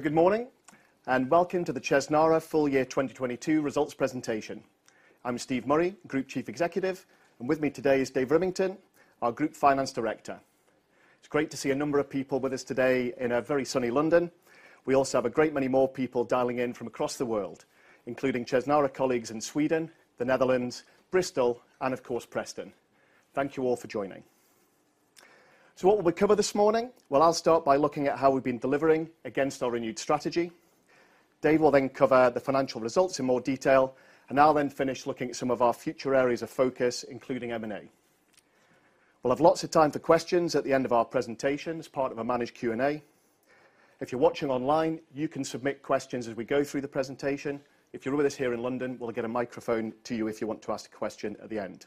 Good morning, welcome to the Chesnara full year 2022 results presentation. I'm Steve Murray, Group Chief Executive, and with me today is Dave Rimmington, our Group Finance Director. It's great to see a number of people with us today in a very sunny London. We also have a great many more people dialing in from across the world, including Chesnara colleagues in Sweden, The Netherlands, Bristol, and of course, Preston. Thank you all for joining. What will we cover this morning? Well, I'll start by looking at how we've been delivering against our renewed strategy. Dave will then cover the financial results in more detail, and I'll then finish looking at some of our future areas of focus, including M&A. We'll have lots of time for questions at the end of our presentation as part of a managed Q&A. If you're watching online, you can submit questions as we go through the presentation. If you're with us here in London, we'll get a microphone to you if you want to ask a question at the end.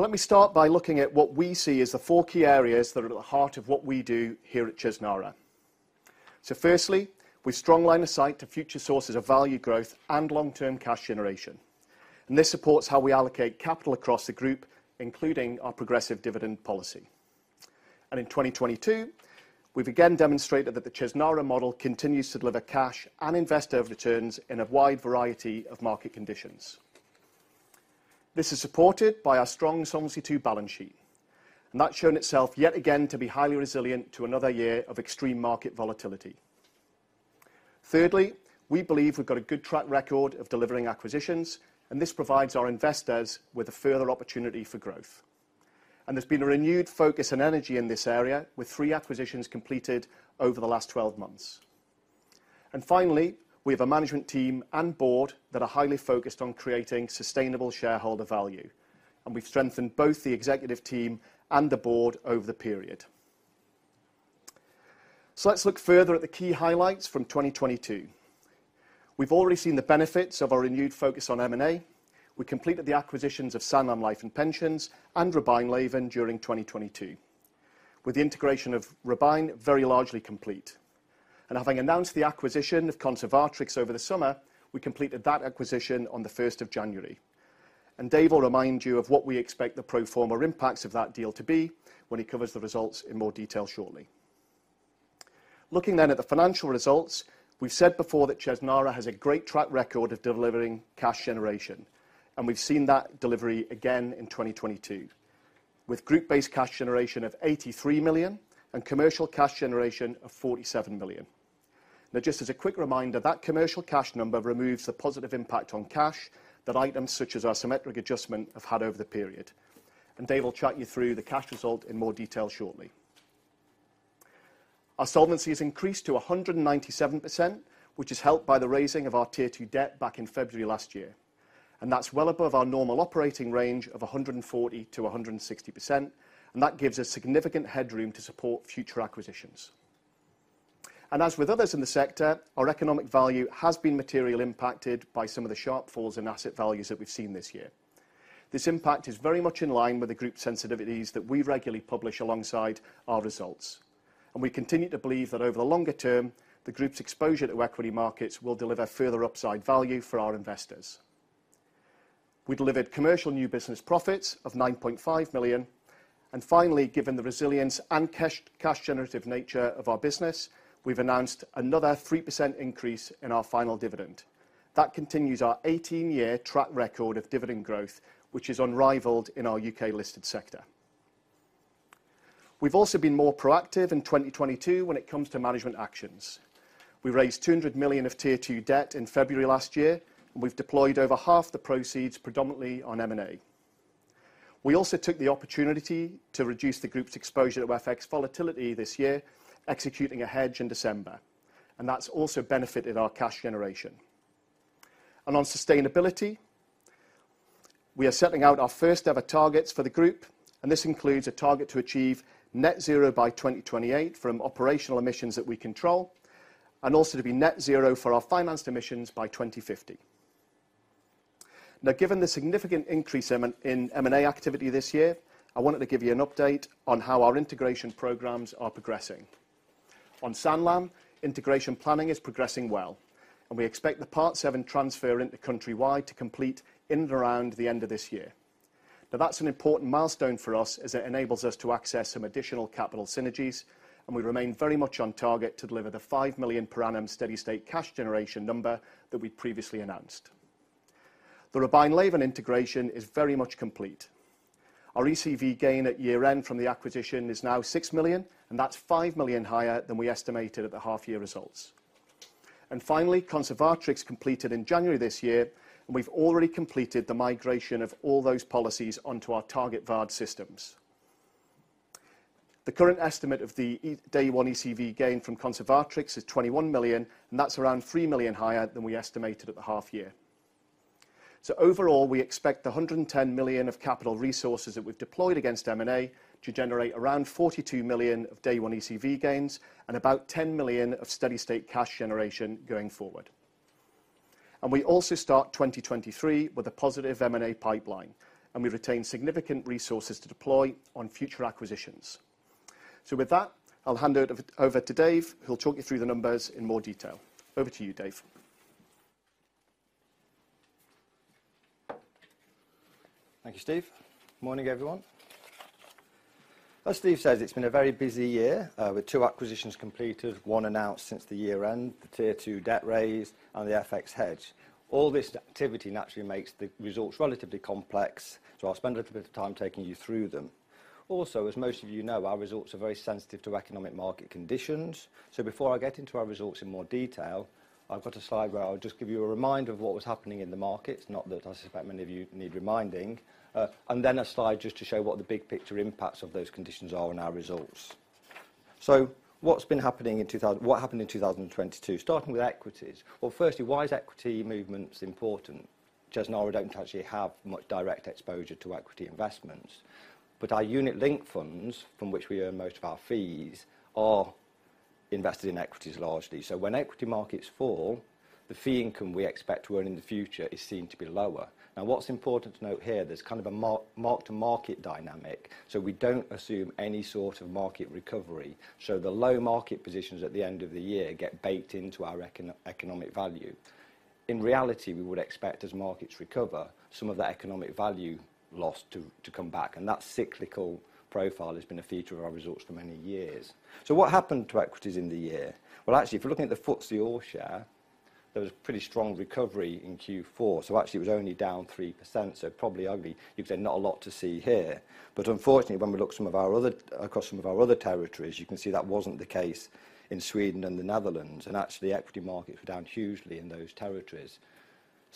Let me start by looking at what we see as the four key areas that are at the heart of what we do here at Chesnara. Firstly, with strong line of sight to future sources of value growth and long-term cash generation. This supports how we allocate capital across the group, including our progressive dividend policy. In 2022, we've again demonstrated that the Chesnara model continues to deliver cash and investor returns in a wide variety of market conditions. This is supported by our strong Solvency II balance sheet, and that's shown itself yet again to be highly resilient to another year of extreme market volatility. Thirdly, we believe we've got a good track record of delivering acquisitions. This provides our investors with a further opportunity for growth. There's been a renewed focus and energy in this area with 3 acquisitions completed over the last 12 months. Finally, we have a management team and board that are highly focused on creating sustainable shareholder value, and we've strengthened both the executive team and the board over the period. Let's look further at the key highlights from 2022. We've already seen the benefits of our renewed focus on M&A. We completed the acquisitions of Sanlam Life and Pensions and Robein Leven during 2022, with the integration of Robein very largely complete. Having announced the acquisition of Conservatrix over the summer, we completed that acquisition on the 1st of January. Dave will remind you of what we expect the pro forma impacts of that deal to be when he covers the results in more detail shortly. Looking at the financial results, we've said before that Chesnara has a great track record of delivering cash generation, we've seen that delivery again in 2022, with group Base Cash Generation of 83 million and Commercial Cash Generation of 47 million. Just as a quick reminder, that commercial cash number removes the positive impact on cash that items such as our Symmetric Adjustment have had over the period. Dave will chat you through the cash result in more detail shortly. Our solvency has increased to 197%, which is helped by the raising of our Tier 2 debt back in February last year. That's well above our normal operating range of 140%-160%, and that gives us significant headroom to support future acquisitions. As with others in the sector, our Economic Value has been material impacted by some of the sharp falls in asset values that we've seen this year. This impact is very much in line with the group sensitivities that we regularly publish alongside our results. We continue to believe that over the longer term, the group's exposure to equity markets will deliver further upside value for our investors. We delivered commercial new business profits of 9.5 million. Finally, given the resilience and cash generative nature of our business, we've announced another 3% increase in our final dividend. That continues our 18-year track record of dividend growth, which is unrivaled in our U.K.-listed sector. We've also been more proactive in 2022 when it comes to management actions. We raised 200 million of Tier 2 debt in February last year, and we've deployed over half the proceeds predominantly on M&A. We also took the opportunity to reduce the group's exposure to FX volatility this year, executing a hedge in December. That's also benefited our cash generation. On sustainability, we are setting out our first ever targets for the group, and this includes a target to achieve net zero by 2028 from operational emissions that we control, and also to be net zero for our financed emissions by 2050. Now, given the significant increase in M&A activity this year, I wanted to give you an update on how our integration programs are progressing. On Sanlam, integration planning is progressing well. We expect the Part VII transfer into Countrywide to complete in and around the end of this year. That's an important milestone for us as it enables us to access some additional capital synergies. We remain very much on target to deliver the 5 million per annum steady-state cash generation number that we previously announced. The Robein Leven integration is very much complete. Our ECV gain at year-end from the acquisition is now 6 million. That's 5 million higher than we estimated at the half year results. Finally, Conservatrix completed in January this year. We've already completed the migration of all those policies onto our target VARD systems. The current estimate of the day one ECV gain from Conservatrix is 21 million. That's around 3 million higher than we estimated at the half year. Overall, we expect the 110 million of capital resources that we've deployed against M&A to generate around 42 million of day one ECV gains and about 10 million of steady-state cash generation going forward. We also start 2023 with a positive M&A pipeline, and we retain significant resources to deploy on future acquisitions. With that, I'll hand it over to Dave, who'll talk you through the numbers in more detail. Over to you, Dave. Thank you, Steve. Morning, everyone. As Steve says, it's been a very busy year, with 2 acquisitions completed, one announced since the year end, the Tier 2 debt raise and the FX hedge. All this activity naturally makes the results relatively complex, so I'll spend a little bit of time taking you through them. Also, as most of you know, our results are very sensitive to economic market conditions. Before I get into our results in more detail, I've got a slide where I'll just give you a reminder of what was happening in the markets. Not that I suspect many of you need reminding. Then a slide just to show what the big picture impacts of those conditions are on our results. What happened in 2022, starting with equities. Well, firstly, why is equity movements important? Just now we don't actually have much direct exposure to equity investments. Our unit-linked funds from which we earn most of our fees are invested in equities largely. When equity markets fall, the fee income we expect to earn in the future is seen to be lower. Now, what's important to note here, there's kind of a market-to-market dynamic, we don't assume any sort of market recovery. The low market positions at the end of the year get baked into our Economic Value. In reality, we would expect, as markets recover, some of that Economic Value lost to come back. That cyclical profile has been a feature of our results for many years. What happened to equities in the year? Actually, if you're looking at the FTSE All-Share, there was a pretty strong recovery in Q4. Actually, it was only down 3%, so probably only, you could say, not a lot to see here. Unfortunately, when we look at some of our other territories, you can see that wasn't the case in Sweden and the Netherlands, and actually the equity market were down hugely in those territories.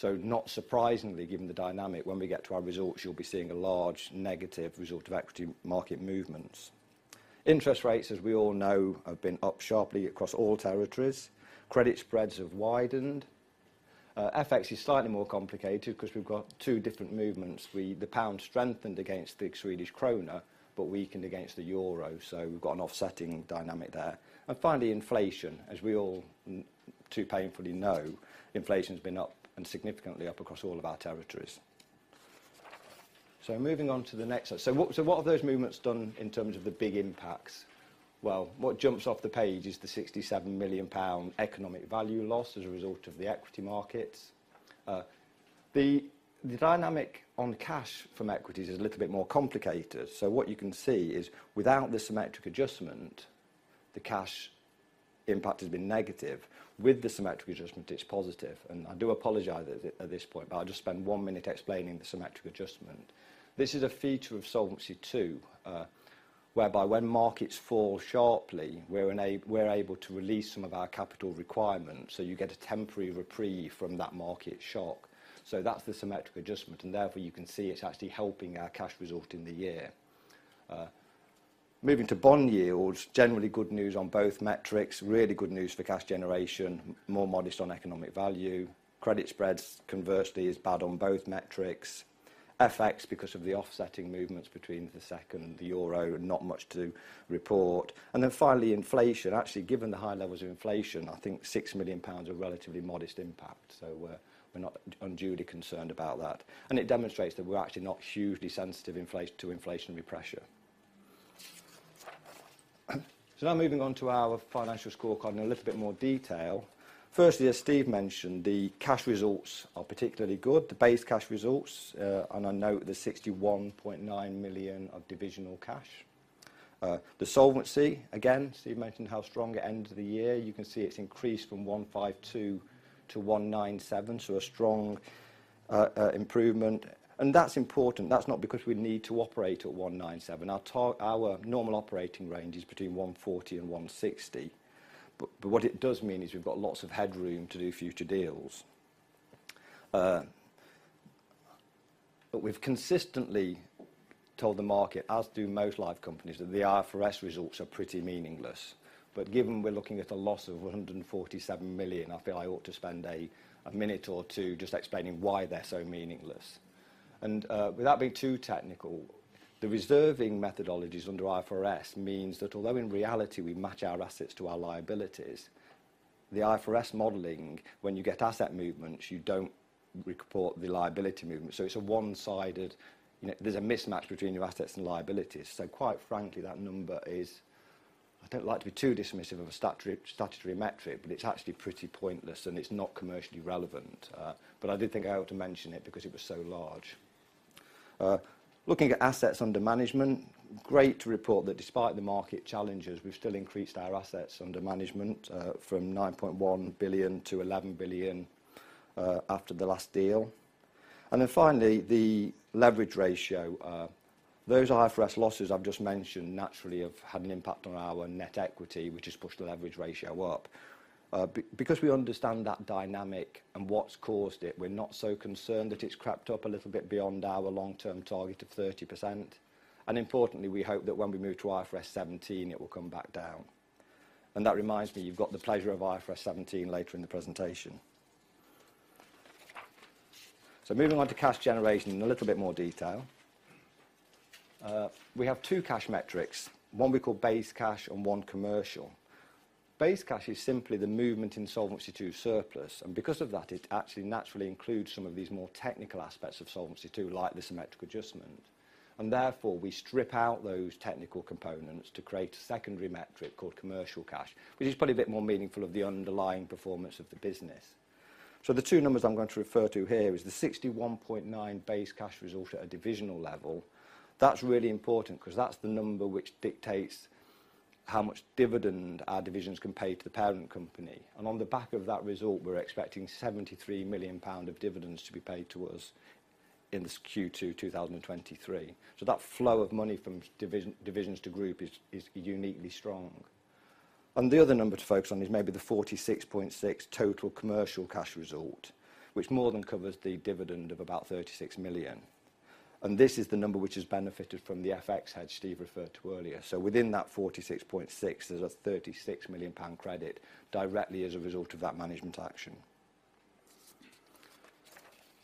Not surprisingly, given the dynamic, when we get to our results, you'll be seeing a large negative result of equity market movements. Interest rates, as we all know, have been up sharply across all territories. Credit spreads have widened. FX is slightly more complicated 'cause we've got 2 different movements. The pound strengthened against the Swedish krona, but weakened against the euro, so we've got an offsetting dynamic there. Finally, inflation. As we all too painfully know, inflation's been up and significantly up across all of our territories. Moving on to the next set. What have those movements done in terms of the big impacts? Well, what jumps off the page is the 67 million pound Economic Value loss as a result of the equity markets. The dynamic on cash from equities is a little bit more complicated. What you can see is without the symmetric adjustment, the cash impact has been negative. With the symmetric adjustment, it's positive. I do apologize at this point, but I'll just spend 1 minute explaining the symmetric adjustment. This is a feature of Solvency II, whereby when markets fall sharply, we're able to release some of our capital requirements, so you get a temporary reprieve from that market shock. That's the symmetric adjustment, and therefore you can see it's actually helping our cash result in the year. Moving to bond yields, generally good news on both metrics. Really good news for cash generation, more modest on Economic Value. Credit spreads, conversely, is bad on both metrics. FX, because of the offsetting movements between the SEK, the EUR, not much to report. Finally, inflation. Actually, given the high levels of inflation, I think 6 million pounds a relatively modest impact. We're not unduly concerned about that. And it demonstrates that we're actually not hugely sensitive to inflationary pressure. Now moving on to our financial scorecard in a little bit more detail. Firstly, as Steve mentioned, the cash results are particularly good, the Base Cash results. And I note the 61.9 million of divisional cash. The solvency, again, Steve mentioned how strong at end of the year. You can see it's increased from 152 to 197, a strong improvement. That's important. That's not because we need to operate at 197. Our normal operating range is between 140 and 160. What it does mean is we've got lots of headroom to do future deals. We've consistently told the market, as do most life companies, that the IFRS results are pretty meaningless. Given we're looking at a loss of 147 million, I feel I ought to spend a minute or two just explaining why they're so meaningless. Without being too technical, the reserving methodologies under IFRS means that although in reality we match our assets to our liabilities, the IFRS modeling, when you get asset movements, you don't report the liability movement. It's a one-sided. You know, there's a mismatch between your assets and liabilities. Quite frankly, that number is. I don't like to be too dismissive of a statutory metric, but it's actually pretty pointless, and it's not commercially relevant. I did think I ought to mention it because it was so large. Looking at assets under management, great to report that despite the market challenges, we've still increased our assets under management, from 9.1 billion to 11 billion, after the last deal. Finally, the leverage ratio. Those IFRS losses I've just mentioned naturally have had an impact on our net equity, which has pushed the leverage ratio up. Because we understand that dynamic and what's caused it, we're not so concerned that it's crept up a little bit beyond our long-term target of 30%. Importantly, we hope that when we move to IFRS 17, it will come back down. That reminds me, you've got the pleasure of IFRS 17 later in the presentation. Moving on to cash generation in a little bit more detail. We have two cash metrics, one we call base cash and one commercial. Base Cash is simply the movement in Solvency II surplus, because of that, it actually naturally includes some of these more technical aspects of Solvency II, like the symmetrical adjustment. Therefore, we strip out those technical components to create a secondary metric called Commercial Cash, which is probably a bit more meaningful of the underlying performance of the business. The two numbers I'm going to refer to here is the 61.9 Base Cash result at a divisional level. That's really important 'cause that's the number which dictates how much dividend our divisions can pay to the parent company. On the back of that result, we're expecting 73 million pound of dividends to be paid to us in this Q2, 2023. That flow of money from divisions to group is uniquely strong. The other number to focus on is maybe the 46.6 million total Commercial Cash result, which more than covers the dividend of about 36 million. This is the number which has benefited from the FX hedge Steve referred to earlier. So within that 46.6 million, there's a 36 million pound credit directly as a result of that management action.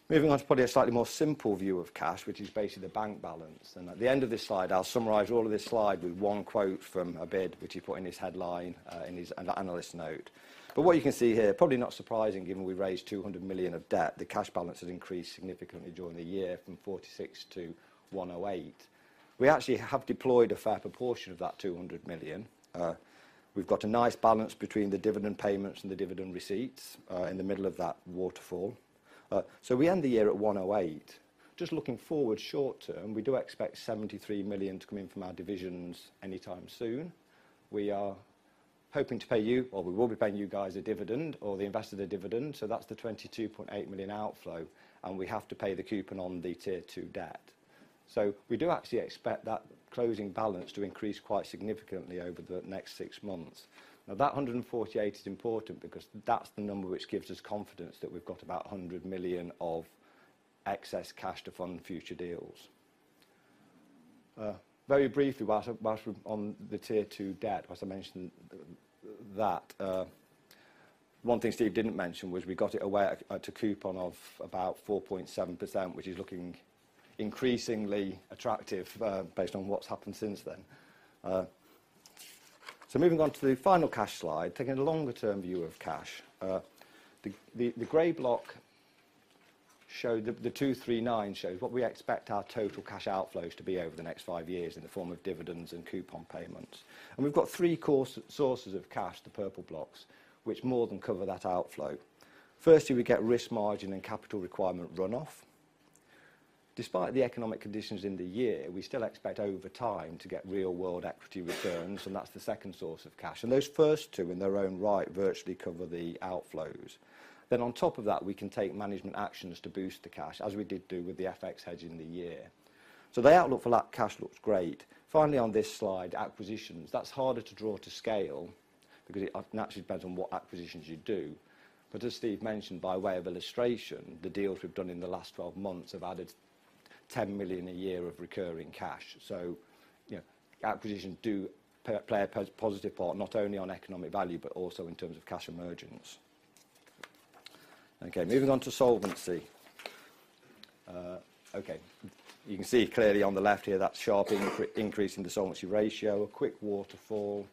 Moving on to probably a slightly more simple view of cash, which is basically the bank balance. At the end of this slide, I'll summarize all of this slide with one quote from Abid, which he put in his headline, in his analyst note. What you can see here, probably not surprising given we raised 200 million of debt, the cash balance has increased significantly during the year from 46 million to 108 million. We actually have deployed a fair proportion of that 200 million. We've got a nice balance between the dividend payments and the dividend receipts in the middle of that waterfall. We end the year at 108 million. Just looking forward short-term, we do expect 73 million to come in from our divisions anytime soon. We are hoping to pay you, or we will be paying you guys a dividend or the investor dividend, so that's the 22.8 million outflow, and we have to pay the coupon on the Tier 2 debt. We do actually expect that closing balance to increase quite significantly over the next six months. That 148 million is important because that's the number which gives us confidence that we've got about 100 million of excess cash to fund future deals. Very briefly, whilst we're on the Tier 2 debt, whilst I mentioned that, one thing Steve didn't mention was we got it away at a coupon of about 4.7%, which is looking increasingly attractive, based on what's happened since then. Moving on to the final cash slide, taking a longer term view of cash. The gray block shows the 239 shows what we expect our total cash outflows to be over the next five years in the form of dividends and coupon payments. We've got three sources of cash, the purple blocks, which more than cover that outflow. Firstly, we get risk margin and capital requirement run-off. Despite the economic conditions in the year, we still expect over time to get real world equity returns, and that's the second source of cash. Those first two, in their own right, virtually cover the outflows. On top of that, we can take management actions to boost the cash, as we did do with the FX hedge in the year. The outlook for that cash looks great. Finally, on this slide, acquisitions. That's harder to draw to scale because it naturally depends on what acquisitions you do. As Steve mentioned, by way of illustration, the deals we've done in the last 12 months have added 10 million a year of recurring cash. You know, acquisitions do play a positive part, not only on Economic Value, but also in terms of cash emergence. Okay, moving on to solvency. Okay. You can see clearly on the left here, that sharp increase in the solvency ratio, a quick waterfall.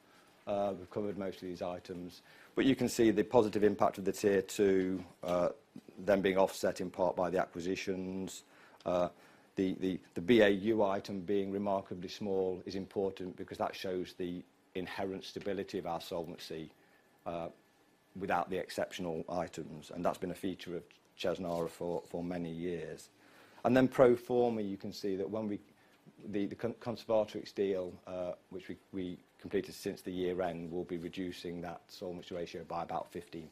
We've covered most of these items. You can see the positive impact of the Tier 2, then being offset in part by the acquisitions. The BAU item being remarkably small is important because that shows the inherent stability of our solvency, without the exceptional items, and that's been a feature of Chesnara for many years. Then pro forma, you can see that the Conservatrix deal, which we completed since the year-end, will be reducing that solvency ratio by about 15%.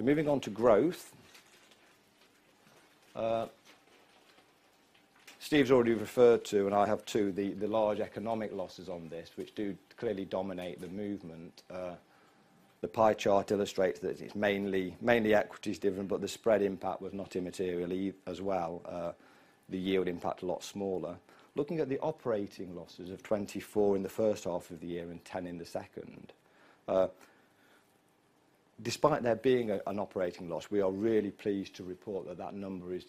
Moving on to growth. Steve's already referred to, and I have too, the large economic losses on this, which do clearly dominate the movement. The pie chart illustrates that it's mainly equity is different, but the spread impact was not immaterial as well. The yield impact a lot smaller. Looking at the operating losses of 24 in the first half of the year and 10 in the second. Despite there being an operating loss, we are really pleased to report that that number is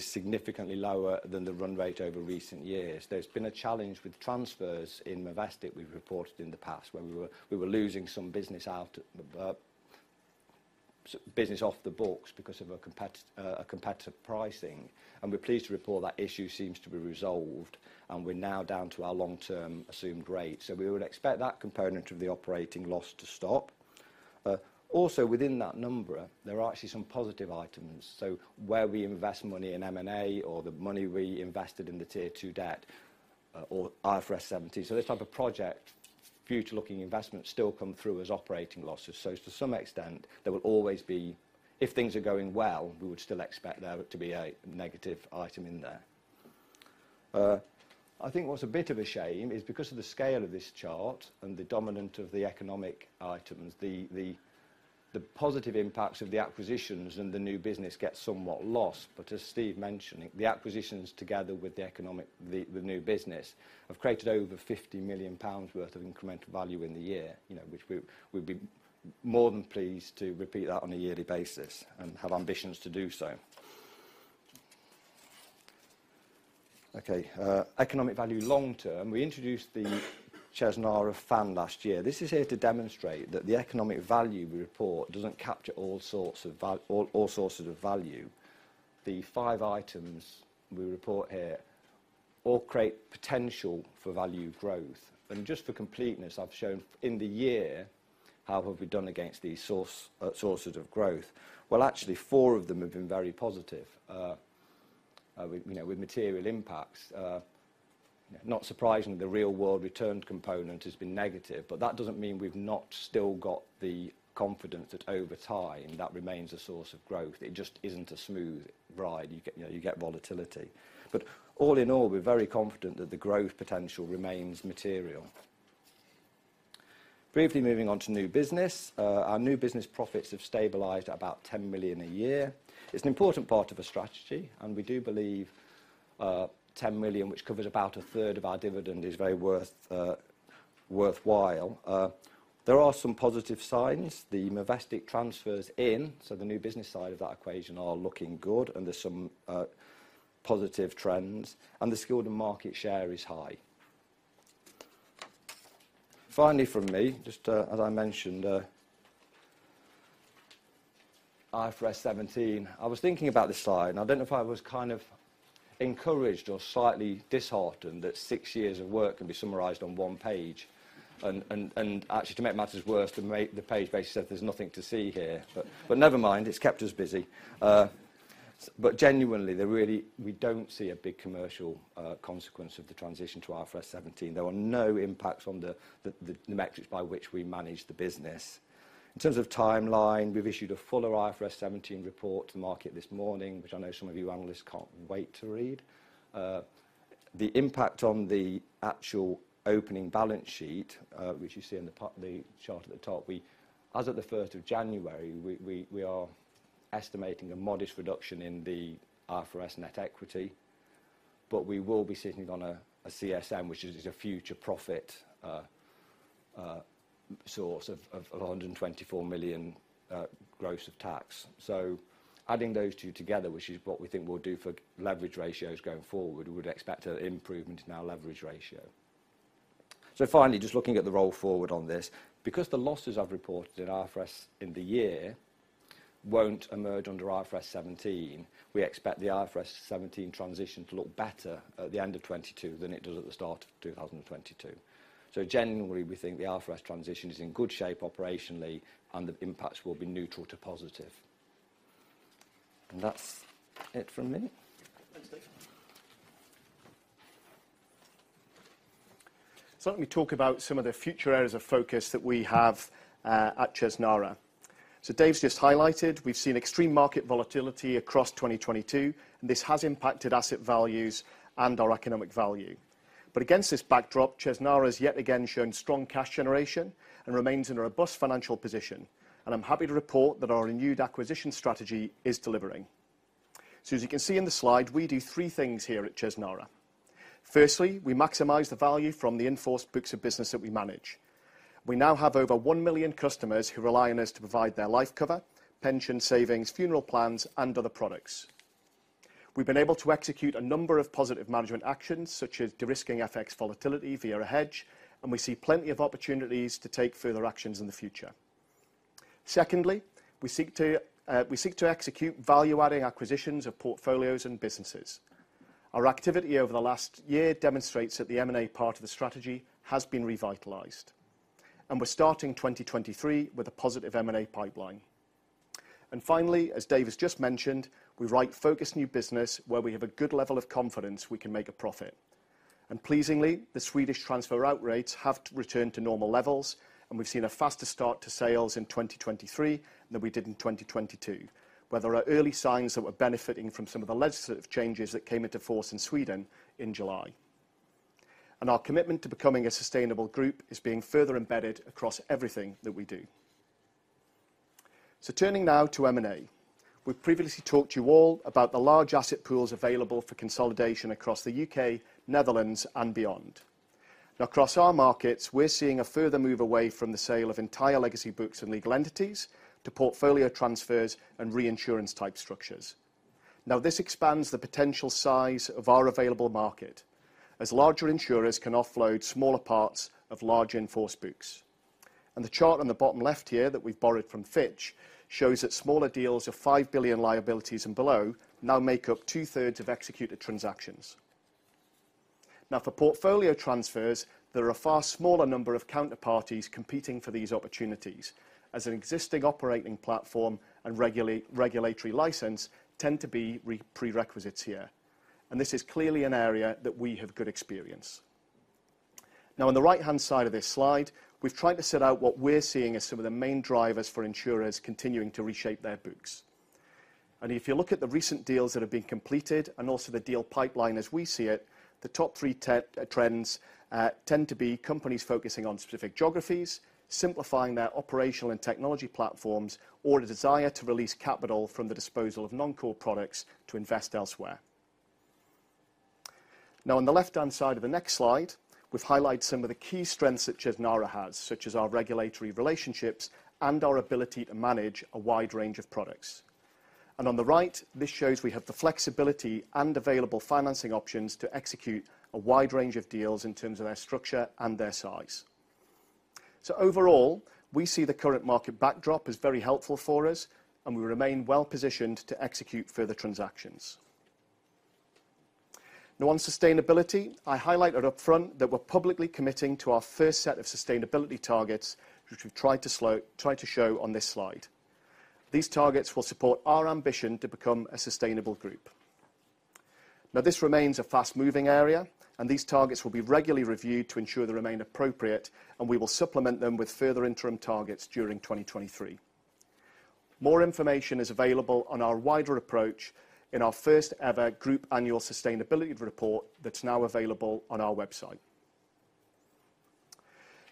significantly lower than the run rate over recent years. There's been a challenge with transfers in Movestic we've reported in the past where we were losing some business out, business off the books because of a competitive pricing. We're pleased to report that issue seems to be resolved, and we're now down to our long-term assumed rate. We would expect that component of the operating loss to stop. Also within that number, there are actually some positive items. Where we invest money in M&A or the money we invested in the Tier 2 debt, or IFRS 17. This type of project, future-looking investments still come through as operating losses. To some extent, there will always be... If things are going well, we would still expect there to be a negative item in there. I think what's a bit of a shame is because of the scale of this chart and the dominant of the economic items, the, the positive impacts of the acquisitions and the new business get somewhat lost. As Steve mentioned, the acquisitions together with the economic, the new business have created over 50 million pounds worth of incremental value in the year, you know, which we'll be more than pleased to repeat that on a yearly basis and have ambitions to do so. Okay, economic value long term. We introduced the Chesnara Fan last year. This is here to demonstrate that the Economic Value we report doesn't capture all sources of value. The five items we report here all create potential for value growth. Just for completeness, I've shown in the year, how have we done against these source, sources of growth. Well, actually four of them have been very positive, with, you know, with material impacts. Not surprising the real world return component has been negative, but that doesn't mean we've not still got the confidence that over time, that remains a source of growth. It just isn't a smooth ride. You get, you know, you get volatility. All in all, we're very confident that the growth potential remains material. Briefly moving on to new business. Our new business profits have stabilized at about 10 million a year. It's an important part of the strategy, we do believe 10 million, which covers about a third of our dividend, is very worthwhile. There are some positive signs. The Movestic transfers in, so the new business side of that equation are looking good, there's some positive trends, and the Scildon market share is high. Finally from me, just as I mentioned IFRS 17. I was thinking about this slide I don't know if I was kind of encouraged or slightly disheartened that 6 years of work can be summarized on 1 page. Actually to make matters worse, the page basically said there's nothing to see here. Never mind, it's kept us busy. Genuinely, there really we don't see a big commercial consequence of the transition to IFRS 17. There are no impacts on the metrics by which we manage the business. In terms of timeline, we've issued a fuller IFRS 17 report to market this morning, which I know some of you analysts can't wait to read. The impact on the actual opening balance sheet, which you see in the chart at the top, as of the 1st of January, we are estimating a modest reduction in the IFRS net equity, but we will be sitting on a CSM, which is a future profit source of 124 million gross of tax. Adding those two together, which is what we think we'll do for leverage ratios going forward, we would expect an improvement in our leverage ratio. Finally, just looking at the roll 4 forward on this, because the losses I've reported in IFRS in the year won't emerge under IFRS 17, we expect the IFRS 17 transition to look better at the end of 22 than it does at the start of 2022. Generally, we think the IFRS transition is in good shape operationally and the impacts will be neutral to positive. That's it from me. Thanks, Dave. Let me talk about some of the future areas of focus that we have at Chesnara. Dave's just highlighted we've seen extreme market volatility across 2022, and this has impacted asset values and our Economic Value. Against this backdrop, Chesnara has yet again shown strong cash generation and remains in a robust financial position. I'm happy to report that our renewed acquisition strategy is delivering. As you can see in the slide, we do three things here at Chesnara. Firstly, we maximize the value from the in-force books of business that we manage. We now have over 1 million customers who rely on us to provide their life cover, pension savings, funeral plans, and other products. We've been able to execute a number of positive management actions, such as de-risking FX volatility via a hedge, and we see plenty of opportunities to take further actions in the future. Secondly, we seek to execute value-adding acquisitions of portfolios and businesses. Our activity over the last year demonstrates that the M&A part of the strategy has been revitalized. We're starting 2023 with a positive M&A pipeline. Finally, as Dave has just mentioned, we write focused new business where we have a good level of confidence we can make a profit. Pleasingly, the Swedish transfer out rates have returned to normal levels, and we've seen a faster start to sales in 2023 than we did in 2022, where there are early signs that we're benefiting from some of the legislative changes that came into force in Sweden in July. Our commitment to becoming a sustainable group is being further embedded across everything that we do. Turning now to M&A. We've previously talked to you all about the large asset pools available for consolidation across the UK, Netherlands, and beyond. Across our markets, we're seeing a further move away from the sale of entire legacy books and legal entities to portfolio transfers and reinsurance type structures. This expands the potential size of our available market, as larger insurers can offload smaller parts of large in-force books. The chart on the bottom left here that we've borrowed from Fitch shows that smaller deals of 5 billion liabilities and below now make up 2/3 of executed transactions. For portfolio transfers, there are a far smaller number of counterparties competing for these opportunities, as an existing operating platform and regulatory license tend to be prerequisites here. This is clearly an area that we have good experience. On the right-hand side of this slide, we've tried to set out what we're seeing as some of the main drivers for insurers continuing to reshape their books. If you look at the recent deals that have been completed and also the deal pipeline as we see it, the top 3 trends tend to be companies focusing on specific geographies, simplifying their operational and technology platforms, or a desire to release capital from the disposal of non-core products to invest elsewhere. On the left-hand side of the next slide, we've highlighted some of the key strengths that Chesnara has, such as our regulatory relationships and our ability to manage a wide range of products. On the right, this shows we have the flexibility and available financing options to execute a wide range of deals in terms of their structure and their size. Overall, we see the current market backdrop as very helpful for us, and we remain well-positioned to execute further transactions. On sustainability, I highlighted upfront that we're publicly committing to our first set of sustainability targets, which we've tried to show on this slide. These targets will support our ambition to become a sustainable group. This remains a fast-moving area. These targets will be regularly reviewed to ensure they remain appropriate. We will supplement them with further interim targets during 2023. More information is available on our wider approach in our first ever group annual sustainability report that's now available on our website.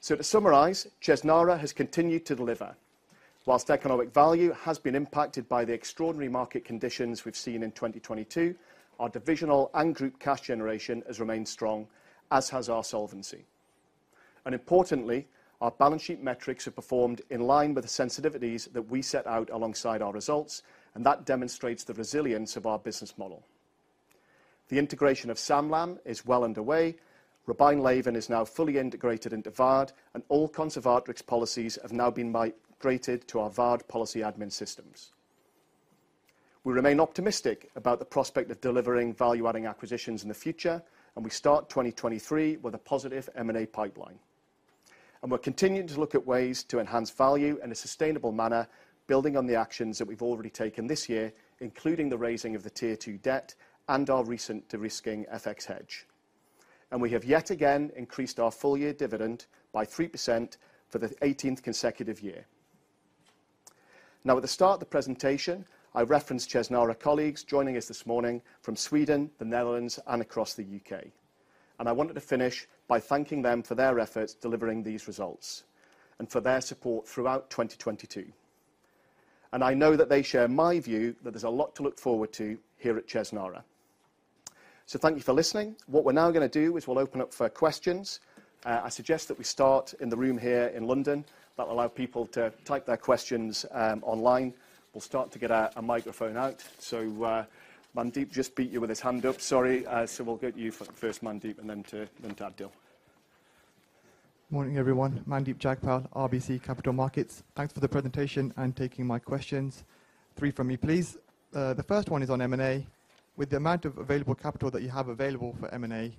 To summarize, Chesnara has continued to deliver. Whilst Economic Value has been impacted by the extraordinary market conditions we've seen in 2022, our divisional and group cash generation has remained strong, as has our solvency. Importantly, our balance sheet metrics have performed in line with the sensitivities that we set out alongside our results. That demonstrates the resilience of our business model. The integration of Sanlam is well underway. Robein Leven is now fully integrated into Waard, and all Conservatrix policies have now been migrated to our Waard policy admin systems. We remain optimistic about the prospect of delivering value-adding acquisitions in the future. We start 2023 with a positive M&A pipeline. We're continuing to look at ways to enhance value in a sustainable manner, building on the actions that we've already taken this year, including the raising of the Tier 2 debt and our recent de-risking FX hedge. We have yet again increased our full-year dividend by 3% for the eighteenth consecutive year. Now, at the start of the presentation, I referenced Chesnara colleagues joining us this morning from Sweden, the Netherlands, and across the UK. I wanted to finish by thanking them for their efforts delivering these results and for their support throughout 2022. I know that they share my view that there's a lot to look forward to here at Chesnara. Thank you for listening. What we're now gonna do is we'll open up for questions. I suggest that we start in the room here in London. That will allow people to type their questions online. We'll start to get a microphone out. Mandeep just beat you with his hand up. Sorry. So we'll get you first, Mandeep, and then to Abid. Morning, everyone. Mandeep Jagpal, RBC Capital Markets. Thanks for the presentation and taking my questions. Three from me, please. The first one is on M&A. With the amount of available capital that you have available for M&A,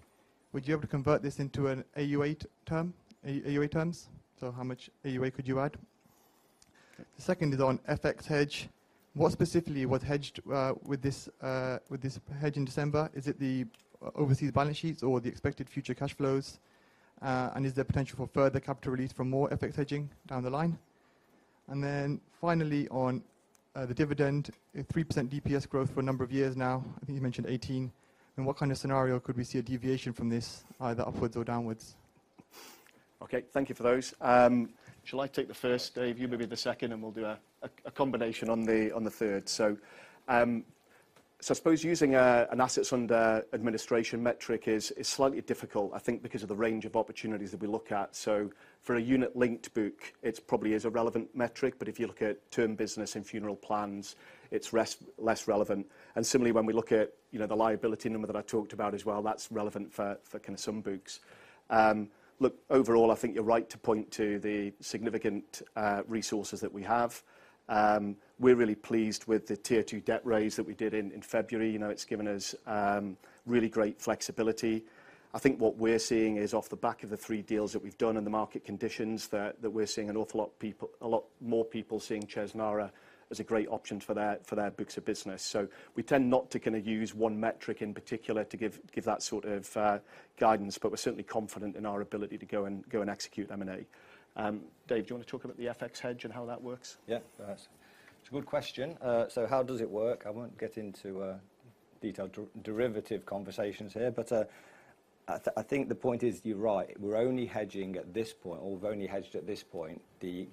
would you able to convert this into an AuA term, AuA terms? How much AuA could you add? The second is on FX hedge. What specifically was hedged with this hedge in December? Is it the overseas balance sheets or the expected future cash flows? Is there potential for further capital release from more FX hedging down the line? Finally on the dividend, a 3% DPS growth for a number of years now, I think you mentioned 18. In what kind of scenario could we see a deviation from this, either upwards or downwards? Okay. Thank you for those. Shall I take the first, Dave, you maybe the second, and we'll do a combination on the, on the third. I suppose using an Assets under Administration metric is slightly difficult, I think because of the range of opportunities that we look at. For a unit-linked book, it probably is a relevant metric, but if you look at term business and funeral plans, it's less relevant. Similarly, when we look at, you know, the liability number that I talked about as well, that's relevant for kinda some books. Look, overall, I think you're right to point to the significant resources that we have. We're really pleased with the Tier 2 debt raise that we did in February. You know, it's given us really great flexibility. I think what we're seeing is off the back of the three deals that we've done and the market conditions that we're seeing an awful lot a lot more people seeing Chesnara as a great option for their, for their books of business. We tend not to kinda use one metric in particular to give that sort of guidance, but we're certainly confident in our ability to go and, go and execute M&A. Dave, do you wanna talk about the FX hedge and how that works? Yeah. It's a good question. How does it work? I won't get into a detailed de-derivative conversations here, but I think the point is, you're right. We're only hedging at this point or we've only hedged at this point the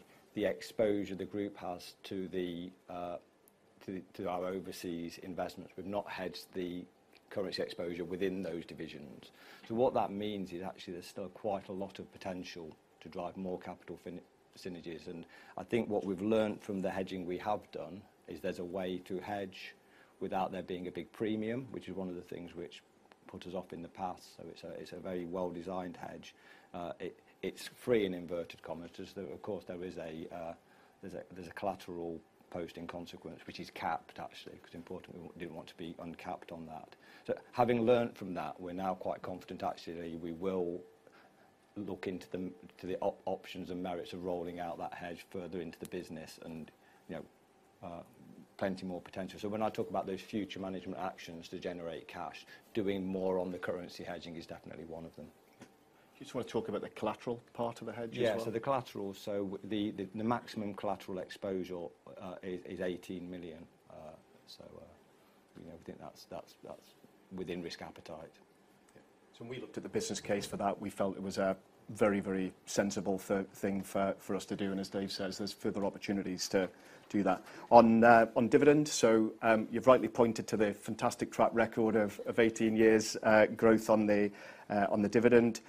exposure the group has to our overseas investments. We've not hedged the currency exposure within those divisions. What that means is actually there's still quite a lot of potential to drive more capital synergies. I think what we've learned from the hedging we have done is there's a way to hedge without there being a big premium, which is one of the things which put us off in the past. It's a very well-designed hedge. It's free in inverted commas. There's the, of course, there is a collateral posting consequence, which is capped actually, 'cause importantly, we didn't want to be uncapped on that. Having learned from that, we're now quite confident actually we will look into the options and merits of rolling out that hedge further into the business and, you know, plenty more potential. When I talk about those future management actions to generate cash, doing more on the currency hedging is definitely one of them. Do you just wanna talk about the collateral part of the hedge as well? Yeah. The collateral, the maximum collateral exposure, is 18 million. You know, I think that's within risk appetite. When we looked at the business case for that, we felt it was a very sensible thing for us to do. As Dave says, there's further opportunities to do that. On dividend. You've rightly pointed to the fantastic track record of 18 years growth on the dividend.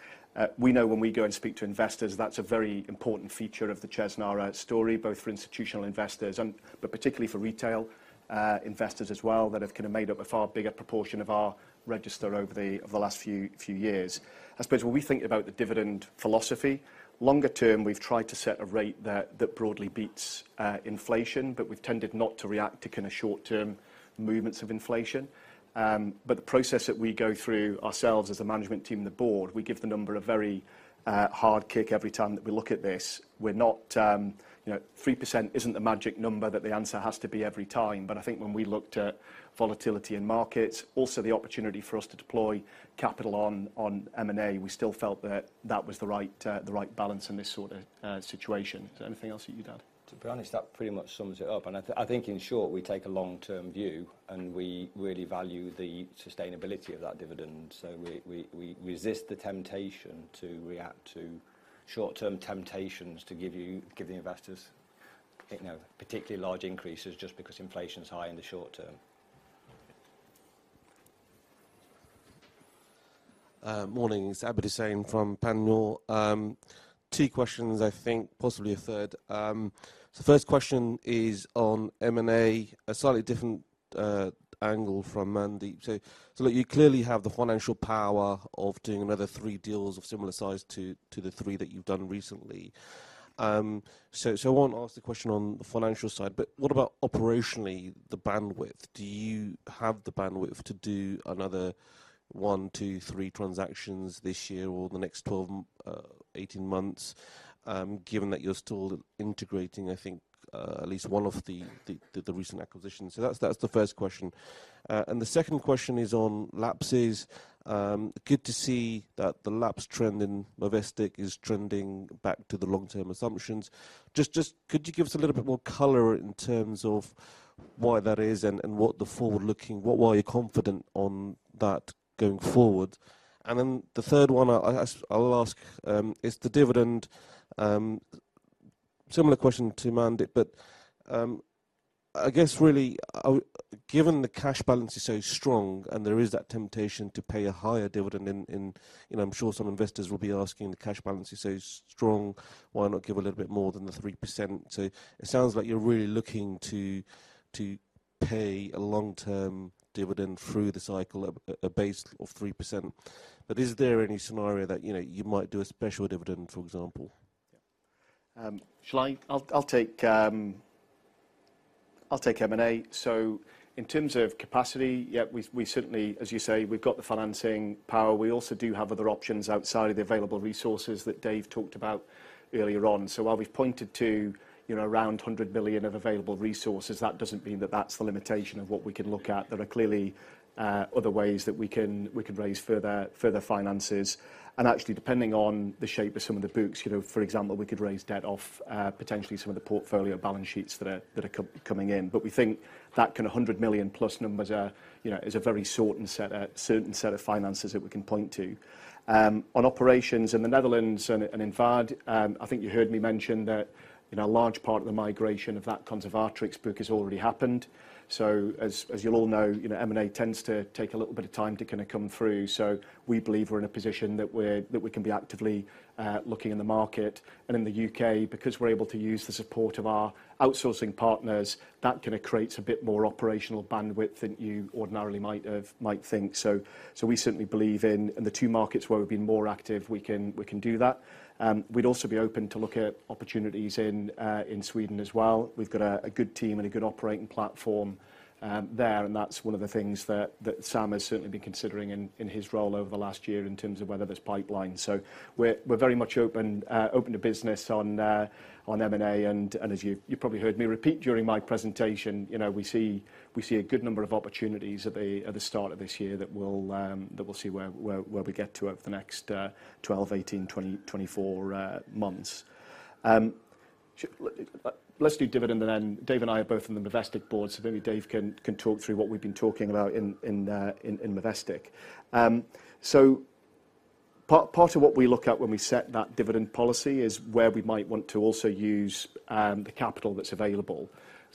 We know when we go and speak to investors, that's a very important feature of the Chesnara story, both for institutional investors but particularly for retail investors as well, that have kind of made up a far bigger proportion of our register over the last few years. I suppose when we think about the dividend philosophy, longer term, we've tried to set a rate that broadly beats inflation. We've tended not to react to kinda short term movements of inflation. The process that we go through ourselves as a management team and the board, we give the number a very hard kick every time that we look at this. We're not, you know, 3% isn't the magic number that the answer has to be every time. I think when we looked at volatility in markets, also the opportunity for us to deploy capital on M&A, we still felt that that was the right balance in this sort of situation. Is there anything else that you'd add? To be honest, that pretty much sums it up. I think in short, we take a long-term view, and we really value the sustainability of that dividend. We resist the temptation to react to short-term temptations to give the investors, you know, particularly large increases just because inflation's high in the short term. Morning. It's Abid Hussain from Panmure. 2 questions, I think possibly a 3rd. The first question is on M&A, a slightly different angle from Mandeep. Look, you clearly have the financial power of doing another 3 deals of similar size to the 3 that you've done recently. I won't ask the question on the financial side, but what about operationally, the bandwidth? Do you have the bandwidth to do another 1, 2, 3 transactions this year or the next 12, 18 months, given that you're still integrating, I think, at least one of the recent acquisitions? That's the first question. The 2nd question is on lapses. Good to see that the lapse trend in Movestic is trending back to the long-term assumptions. Just could you give us a little bit more color in terms of why that is and what the forward-looking why you're confident on that going forward? The third one I'll ask is the dividend, similar question to Mandeep, but I guess really, given the cash balance is so strong and there is that temptation to pay a higher dividend in, you know, I'm sure some investors will be asking the cash balance is so strong, why not give a little bit more than the 3%? It sounds like you're really looking to pay a long-term dividend through the cycle at a base of 3%. Is there any scenario that, you know, you might do a special dividend, for example? Yeah. Shall I? I'll take M&A. In terms of capacity, yeah, we certainly, as you say, we've got the financing power. We also do have other options outside of the available resources that Dave talked about earlier on. While we've pointed to, you know, around 100 billion of available resources, that doesn't mean that that's the limitation of what we can look at. There are clearly other ways that we can raise further finances. Actually, depending on the shape of some of the books, you know, for example, we could raise debt off potentially some of the portfolio balance sheets that are coming in. We think that kind of 100 million-plus numbers are, you know, is a very certain set of finances that we can point to. On operations in the Netherlands and in Waard, I think you heard me mention that, you know, a large part of the migration of that Conservatrix book has already happened. As you'll all know, you know, M&A tends to take a little bit of time to kinda come through. We believe we're in a position that we can be actively looking in the market and in the U.K. Because we're able to use the support of our outsourcing partners, that kinda creates a bit more operational bandwidth than you ordinarily might have, might think. We certainly believe in the two markets where we've been more active, we can do that. We'd also be open to look at opportunities in Sweden as well. We've got a good team and a good operating platform there. That's one of the things that Sam has certainly been considering in his role over the last year in terms of whether there's pipeline. We're very much open to business on M&A. As you probably heard me repeat during my presentation, you know, we see a good number of opportunities at the start of this year that we'll see where we get to over the next 12, 18, 20, 24 months. Let's do dividend and then Dave and I are both from the Movestic board, so maybe Dave can talk through what we've been talking about in Movestic. Part of what we look at when we set that dividend policy is where we might want to also use the capital that's available.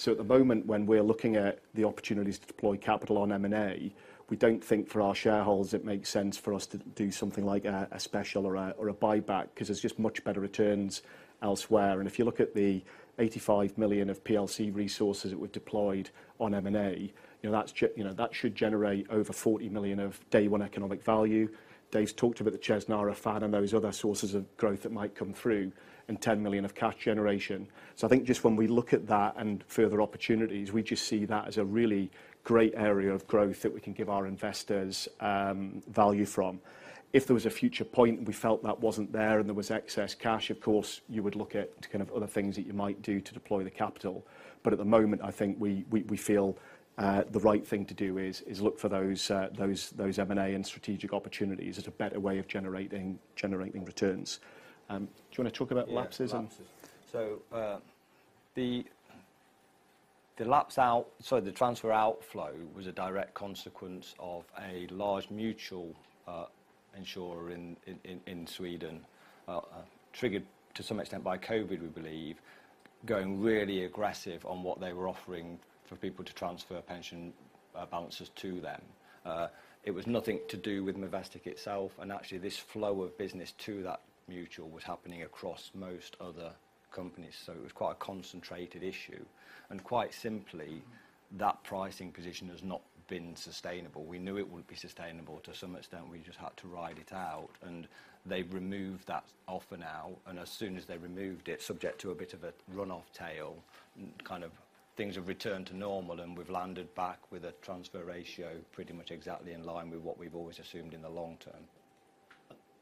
At the moment, when we're looking at the opportunities to deploy capital on M&A, we don't think for our shareholders it makes sense for us to do something like a special or a buyback 'cause there's just much better returns elsewhere. If you look at the 85 million of PLC resources that we've deployed on M&A, that should generate over 40 million of day one Economic Value. David's talked about the Chesnara Fan and those other sources of growth that might come through and 10 million of cash generation. I think just when we look at that and further opportunities, we just see that as a really great area of growth that we can give our investors, value from. If there was a future point and we felt that wasn't there and there was excess cash, of course, you would look at kind of other things that you might do to deploy the capital. At the moment, I think we, we feel the right thing to do is look for those, those M&A and strategic opportunities as a better way of generating returns. Do you wanna talk about lapses. Yeah, lapses. The transfer outflow was a direct consequence of a large mutual insurer in Sweden. Triggered to some extent by COVID, we believe, going really aggressive on what they were offering for people to transfer pension balances to them. It was nothing to do with Movestic itself, and actually this flow of business to that mutual was happening across most other companies. It was quite a concentrated issue. Quite simply, that pricing position has not been sustainable. We knew it wouldn't be sustainable to some extent. We just had to ride it out. They've removed that offer now. As soon as they removed it, subject to a bit of a runoff tail, kind of things have returned to normal and we've landed back with a transfer ratio pretty much exactly in line with what we've always assumed in the long term.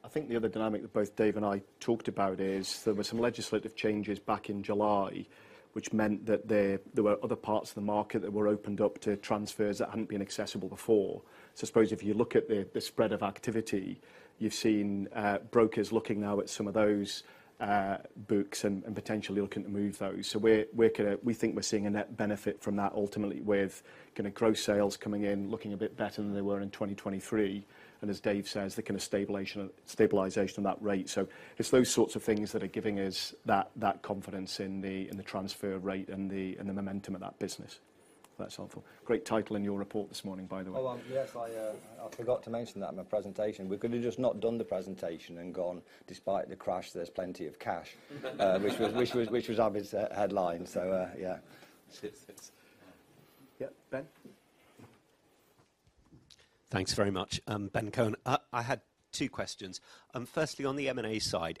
I think the other dynamic that both Dave and I talked about is there were some legislative changes back in July, which meant that there were other parts of the market that were opened up to transfers that hadn't been accessible before. I suppose if you look at the spread of activity, you've seen brokers looking now at some of those books and potentially looking to move those. We think we're seeing a net benefit from that ultimately with kinda gross sales coming in looking a bit better than they were in 2023. As Dave says, the kinda stabilization of that rate. It's those sorts of things that are giving us that confidence in the transfer rate and the momentum of that business. If that's helpful. Great title in your report this morning, by the way. Yes. I forgot to mention that in my presentation. We could have just not done the presentation and gone, despite the crash, there's plenty of cash. Which was Abid's headline. Yeah. Ben? Thanks very much. Ben Cohen. I had two questions. firstly, on the M&A side,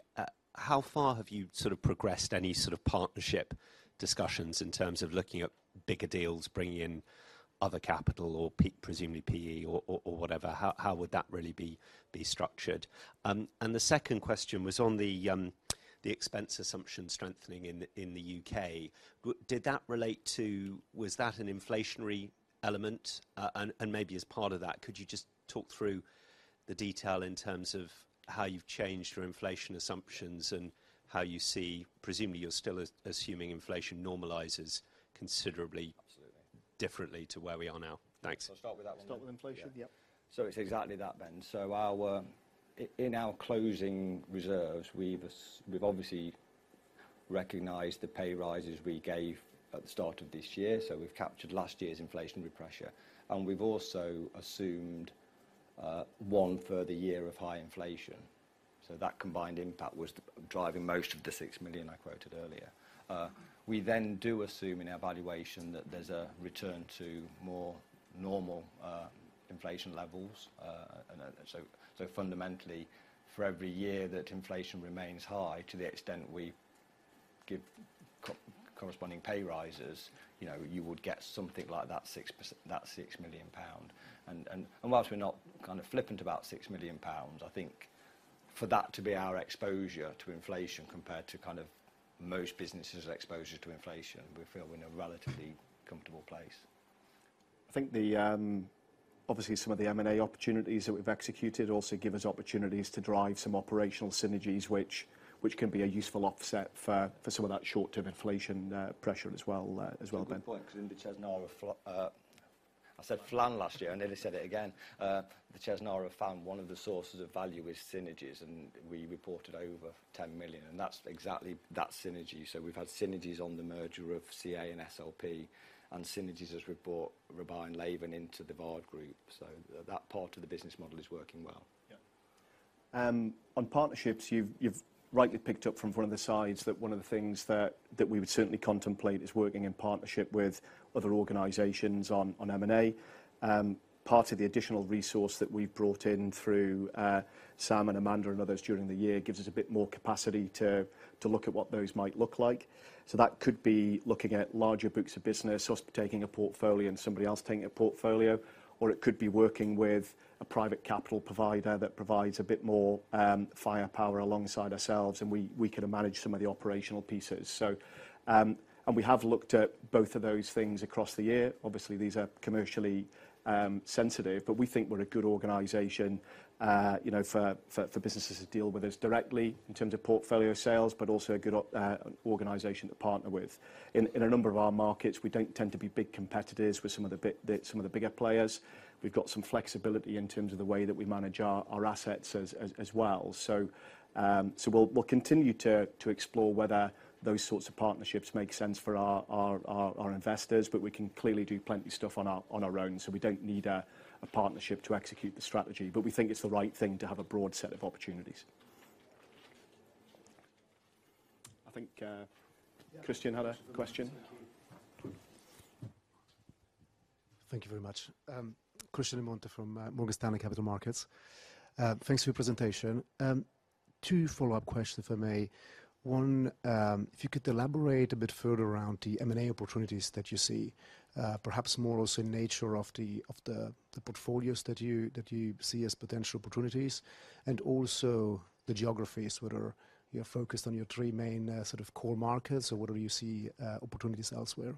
how far have you sort of progressed any sort of partnership discussions in terms of looking at bigger deals, bringing in other capital or presumably PE or whatever? How would that really be structured? The second question was on the expense assumption strengthening in the UK. Was that an inflationary element? maybe as part of that, could you just talk through the detail in terms of how you've changed your inflation assumptions and how you see... Presumably you're still assuming inflation normalizes considerably. Absolutely. differently to where we are now. Thanks. I'll start with that one. Start with inflation? Yeah. Yep. It's exactly that, Ben. Our in our closing reserves, we've obviously recognized the pay raises we gave at the start of this year, so we've captured last year's inflationary pressure. We've also assumed one further year of high inflation. That combined impact was driving most of the 6 million I quoted earlier. We then do assume in our valuation that there's a return to more normal inflation levels. Fundamentally, for every year that inflation remains high, to the extent we give co-corresponding pay raises, you know, you would get something like that six that 6 million pound. Whilst we're not kind of flippant about 6 million pounds, I think for that to be our exposure to inflation compared to kind of most businesses' exposure to inflation, we feel we're in a relatively comfortable place. Obviously, some of the M&A opportunities that we've executed also give us opportunities to drive some operational synergies, which can be a useful offset for some of that short-term inflation pressure as well, as well, Ben. Good point, 'cause I said flan last year, I nearly said it again. The Chesnara fund, one of the sources of value is synergies, and we reported over 10 million, and that's exactly that synergy. We've had synergies on the merger of CA and SLP and synergies as we've brought Robein Leven into the Waard group. That part of the business model is working well. Yeah. On partnerships, you've rightly picked up from one of the slides that one of the things that we would certainly contemplate is working in partnership with other organizations on M&A. Part of the additional resource that we've brought in through Sam and Amanda and others during the year gives us a bit more capacity to look at what those might look like. That could be looking at larger books of business, us taking a portfolio and somebody else taking a portfolio, or it could be working with a private capital provider that provides a bit more firepower alongside ourselves, and we could manage some of the operational pieces. We have looked at both of those things across the year. Obviously, these are commercially sensitive, but we think we're a good organization, you know, for businesses to deal with us directly in terms of portfolio sales, but also a good organization to partner with. In a number of our markets, we don't tend to be big competitors with some of the bigger players. We've got some flexibility in terms of the way that we manage our assets as well. So we'll continue to explore whether those sorts of partnerships make sense for our investors, but we can clearly do plenty of stuff on our own, so we don't need a partnership to execute the strategy. We think it's the right thing to have a broad set of opportunities. I think, Christian had a question. Thank you. Thank you very much. Christian Emonet from Morgan Stanley Capital Markets. Thanks for your presentation. Two follow-up questions if I may. One, if you could elaborate a bit further around the M&A opportunities that you see, perhaps more or so in nature of the portfolios that you see as potential opportunities, and also the geographies. Whether you're focused on your three main sort of core markets, or whether you see opportunities elsewhere.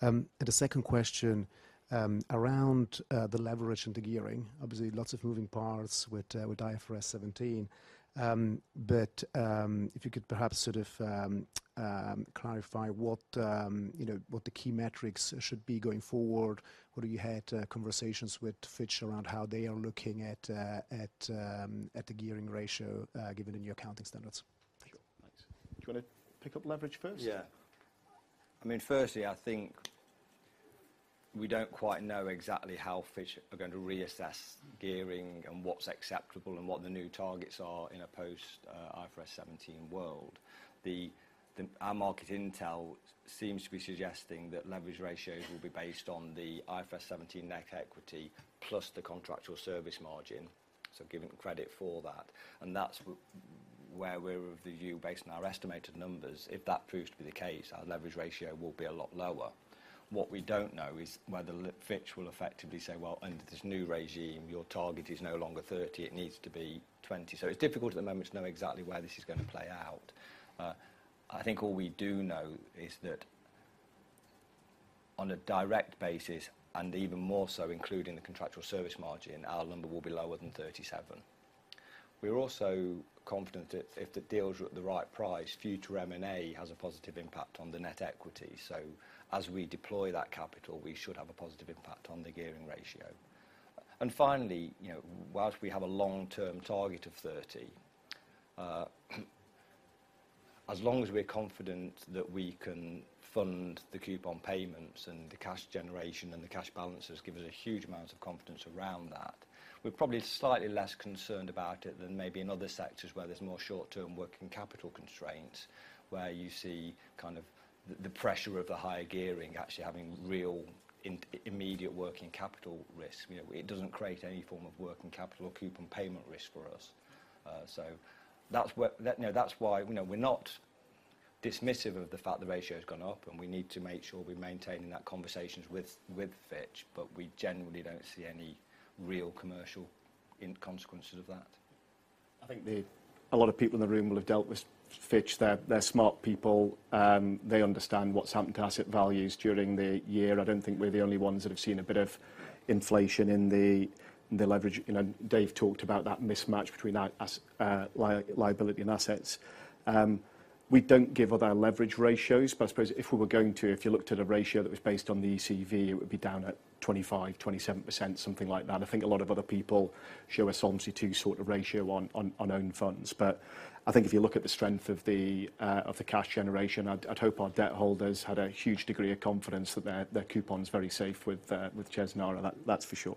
A second question around the leverage and the gearing. Obviously, lots of moving parts with IFRS 17. If you could perhaps sort of clarify what, you know, what the key metrics should be going forward. Whether you had conversations with Fitch around how they are looking at the gearing ratio given the new accounting standards? Do you want to pick up leverage first? I mean, firstly, I think we don't quite know exactly how Fitch are going to reassess gearing and what's acceptable and what the new targets are in a post IFRS 17 world. Our market intel seems to be suggesting that leverage ratios will be based on the IFRS 17 net equity plus the contractual service margin, so giving credit for that. That's where we're of the view based on our estimated numbers. If that proves to be the case, our leverage ratio will be a lot lower. What we don't know is whether Fitch will effectively say, "Well, under this new regime, your target is no longer 30, it needs to be 20." It's difficult at the moment to know exactly where this is gonna play out. I think what we do know is that on a direct basis, and even more so including the contractual service margin, our number will be lower than 37. We're also confident that if the deals are at the right price, future M&A has a positive impact on the net equity. As we deploy that capital, we should have a positive impact on the gearing ratio. Finally, you know, whilst we have a long-term target of 30, as long as we're confident that we can fund the coupon payments and the cash generation and the cash balances give us a huge amount of confidence around that, we're probably slightly less concerned about it than maybe in other sectors where there's more short-term working capital constraints, where you see kind of the pressure of the higher gearing actually having real immediate working capital risk. You know, it doesn't create any form of working capital coupon payment risk for us. That's where. You know, that's why, you know, we're not dismissive of the fact the ratio's gone up. We need to make sure we're maintaining that conversations with Fitch. We generally don't see any real commercial in consequences of that. I think a lot of people in the room will have dealt with Fitch. They're smart people. They understand what's happened to asset values during the year. I don't think we're the only ones that have seen a bit of inflation in the leverage. You know, Dave talked about that mismatch between liability and assets. We don't give other leverage ratios, but I suppose if we were going to, if you looked at a ratio that was based on the ECV, it would be down at 25%-27%, something like that. I think a lot of other people show a Solvency II sort of ratio on own funds. I think if you look at the strength of the cash generation, I'd hope our debt holders had a huge degree of confidence that their coupon's very safe with Chesnara. That's for sure.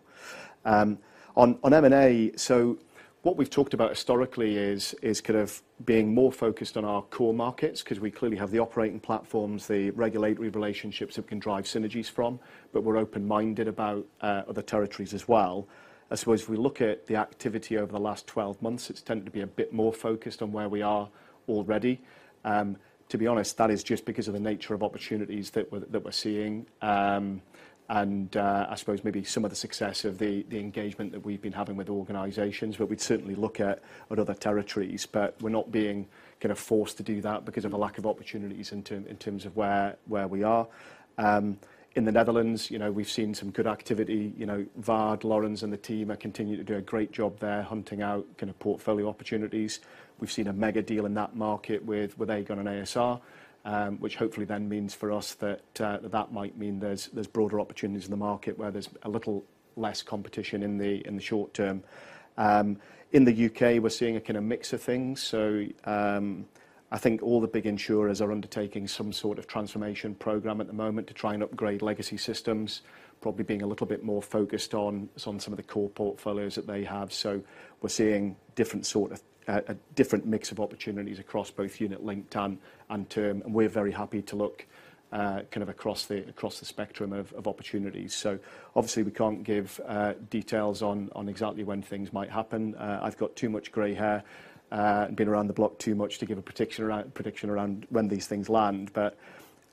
On M&A, what we've talked about historically is kind of being more focused on our core markets 'cause we clearly have the operating platforms, the regulatory relationships that we can drive synergies from, but we're open-minded about other territories as well. I suppose if we look at the activity over the last 12 months, it's tended to be a bit more focused on where we are already. To be honest, that is just because of the nature of opportunities that we're seeing. I suppose maybe some of the success of the engagement that we've been having with organizations. We'd certainly look at other territories. We're not being kind of forced to do that because of a lack of opportunities in terms of where we are. In the Netherlands, you know, we've seen some good activity. You know, Waard, Laurens and the team are continuing to do a great job there, hunting out kind of portfolio opportunities. We've seen a mega deal in that market with Aegon and ASR, which hopefully then means for us that might mean there's broader opportunities in the market where there's a little less competition in the short term. In the U.K., we're seeing a kinda mix of things. I think all the big insurers are undertaking some sort of transformation program at the moment to try and upgrade legacy systems. Probably being a little bit more focused on some of the core portfolios that they have. We're seeing different sort of a different mix of opportunities across both unit-linked term and term. We're very happy to look kind of across the spectrum of opportunities. Obviously we can't give details on exactly when things might happen. I've got too much gray hair, been around the block too much to give a prediction around when these things land.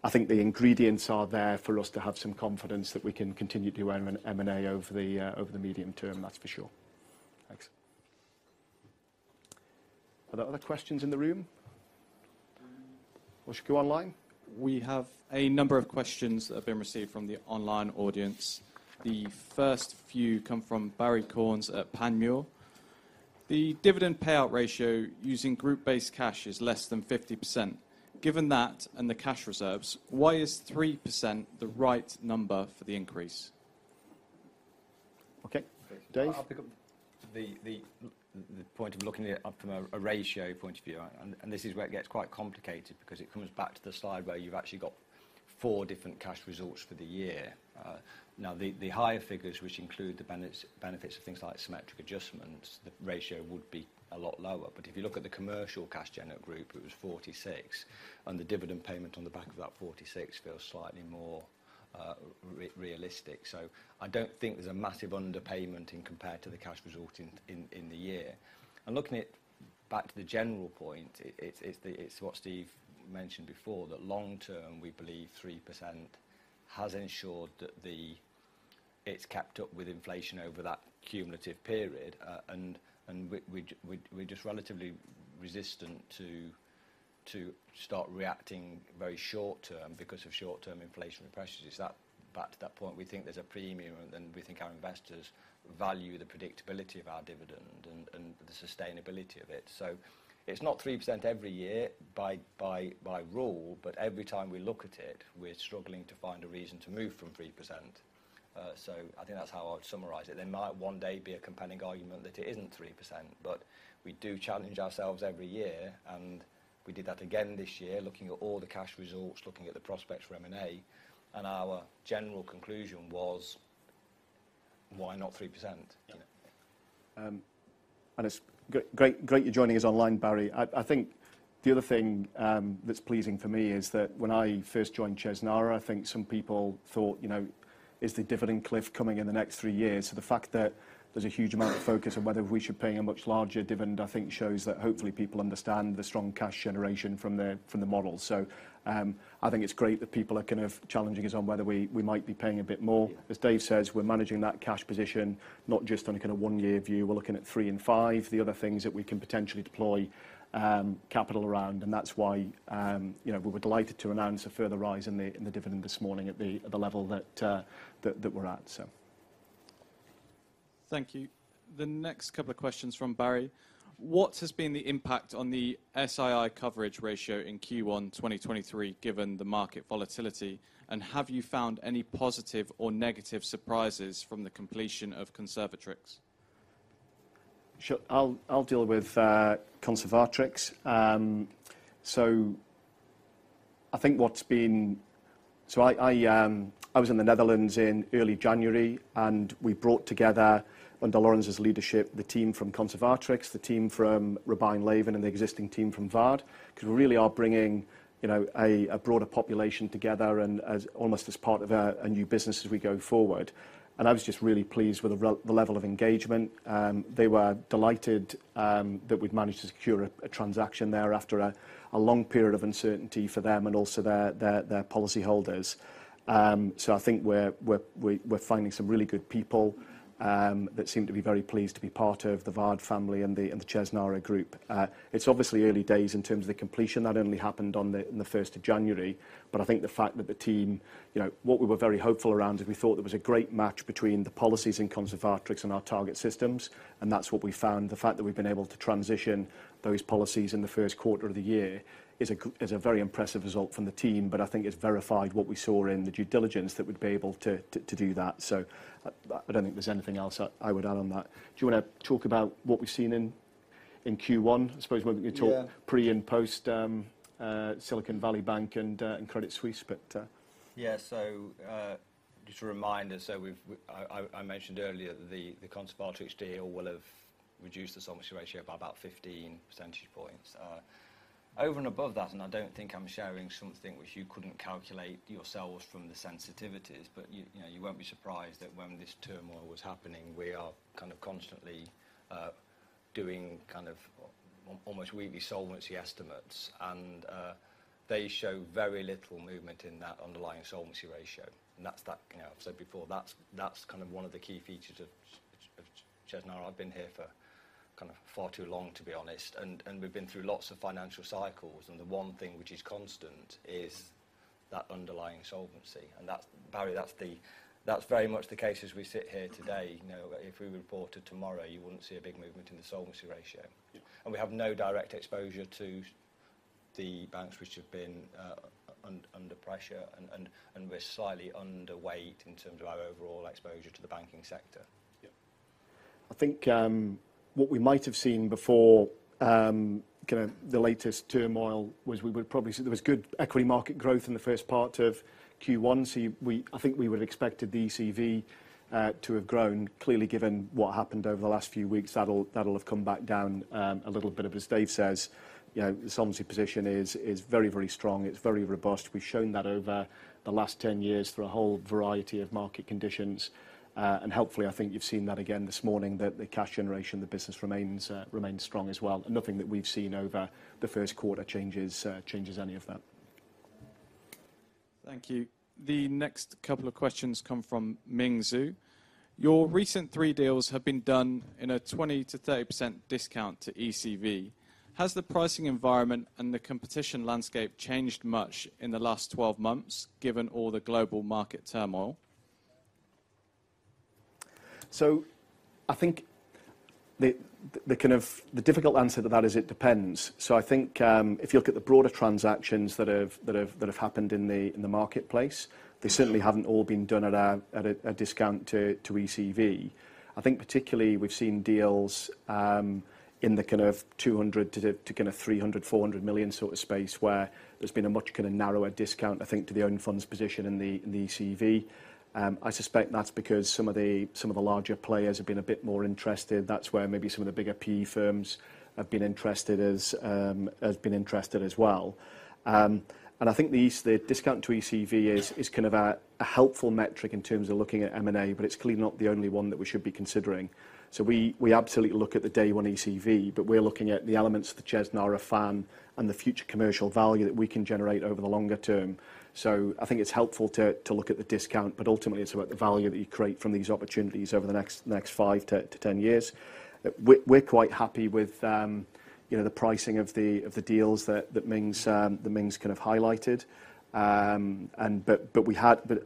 I think the ingredients are there for us to have some confidence that we can continue to do M&A over the medium term. That's for sure. Thanks. Are there other questions in the room? What's your queue online? We have a number of questions that have been received from the online audience. The first few come from Barrie Cornes at Panmure Gordon. The dividend payout ratio using group Base Cash is less than 50%. Given that and the cash reserves, why is 3% the right number for the increase? Okay. Dave? I pick up the point of looking at it up from a ratio point of view. This is where it gets quite complicated because it comes back to the slide where you've actually got 4 different cash results for the year. Now, the higher figures, which include the benefits of things like symmetric adjustments, the ratio would be a lot lower. If you look at the Commercial Cash Generation at group, it was 46. The dividend payment on the back of that 46 feels slightly more realistic. I don't think there's a massive underpayment in compared to the cash result in the year. Looking back to the general point, it's what Steve mentioned before, that long term we believe 3% has ensured that the... It's kept up with inflation over that cumulative period. We're just relatively resistant to start reacting very short term because of short term inflationary pressures. It's back to that point. We think there's a premium, and we think our investors value the predictability of our dividend and the sustainability of it. It's not 3% every year by rule, but every time we look at it, we're struggling to find a reason to move from 3%. I think that's how I would summarize it. There might one day be a compelling argument that it isn't 3%. We do challenge ourselves every year, and we did that again this year, looking at all the cash results, looking at the prospects for M&A, and our general conclusion was, why not 3%? Yeah. It's great you're joining us online, Barrie. I think the other thing that's pleasing for me is that when I first joined Chesnara, I think some people thought, you know, "Is the dividend cliff coming in the next three years?" The fact that there's a huge amount of focus on whether we should pay a much larger dividend, I think shows that hopefully people understand the strong cash generation from the model. I think it's great that people are kind of challenging us on whether we might be paying a bit more. Yeah. As Dave says, we're managing that cash position not just on a kinda one-year view. We're looking at three and five, the other things that we can potentially deploy, capital around. That's why, you know, we were delighted to announce a further rise in the, in the dividend this morning at the, at the level that we're at, so. Thank you. The next couple of questions from Barry. What has been the impact on the SII coverage ratio in Q1 2023, given the market volatility? Have you found any positive or negative surprises from the completion of Conservatrix? Sure. I'll deal with Conservatrix. I think I was in the Netherlands in early January, and we brought together, under Lawrence's leadership, the team from Conservatrix, the team from Robein Leven, and the existing team from Waard, 'cause we really are bringing, you know, a broader population together and as almost as part of a new business as we go forward. I was just really pleased with the level of engagement. They were delighted that we'd managed to secure a transaction there after a long period of uncertainty for them and also their policy holders. I think we're finding some really good people that seem to be very pleased to be part of the Waard family and the Chesnara group. It's obviously early days in terms of the completion. That only happened in the 1st of January. I think the fact that the team, you know, what we were very hopeful around is we thought there was a great match between the policies in Conservatrix and our target systems, and that's what we found. The fact that we've been able to transition those policies in the 1st quarter of the year is a very impressive result from the team, but I think it's verified what we saw in the due diligence that we'd be able to do that. I don't think there's anything else I would add on that. Do you wanna talk about what we've seen in Q1? I suppose we're gonna talk Yeah... pre and post, Silicon Valley Bank and Credit Suisse, but... Yeah. Just a reminder, we've, I mentioned earlier, the Conservatrix deal will have reduced the solvency ratio by about 15 percentage points. Over and above that, I don't think I'm sharing something which you couldn't calculate yourselves from the sensitivities, but you know, you won't be surprised that when this turmoil was happening, we are kind of constantly doing kind of almost weekly solvency estimates. They show very little movement in that underlying solvency ratio. That's that, you know, I've said before, that's kind of one of the key features of Chesnara. I've been here for kind of far too long, to be honest, and we've been through lots of financial cycles. The one thing which is constant is that underlying solvency. That's, Barry, that's very much the case as we sit here today. You know, if we reported tomorrow, you wouldn't see a big movement in the solvency ratio. Yeah. We have no direct exposure to the banks which have been under pressure, and we're slightly underweight in terms of our overall exposure to the banking sector. Yeah. I think, what we might have seen before, kinda the latest turmoil was we would probably see there was good equity market growth in the first part of Q1. We, I think we would've expected the ECV to have grown. Clearly, given what happened over the last few weeks, that'll have come back down a little bit. As Dave says, you know, the solvency position is very, very strong. It's very robust. We've shown that over the last 10 years through a whole variety of market conditions. Hopefully I think you've seen that again this morning, that the cash generation, the business remains strong as well. Nothing that we've seen over the first quarter changes any of that. Thank you. The next couple of questions come from Ming Zhu. Your recent three deals have been done in a 20%-30% discount to ECV. Has the pricing environment and the competition landscape changed much in the last 12 months, given all the global market turmoil? I think the kind of difficult answer to that is it depends. I think, if you look at the broader transactions that have happened in the marketplace, they certainly haven't all been done at a discount to ECV. I think particularly we've seen deals in the kind of 200 million to the kind of 300 million, 400 million sort of space, where there's been a much kind of narrower discount, I think, to the own funds position in the ECV. I suspect that's because some of the larger players have been a bit more interested. That's where maybe some of the bigger PE firms have been interested as well. I think the discount to ECV is kind of a helpful metric in terms of looking at M&A, but it's clearly not the only one that we should be considering. We absolutely look at the day one ECV, but we're looking at the elements of the Chesnara fan and the future commercial value that we can generate over the longer term. I think it's helpful to look at the discount, but ultimately it's about the value that you create from these opportunities over the next 5-10 years. We're quite happy with, you know, the pricing of the deals that Ming's kind of highlighted. As